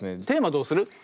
テーマどうする？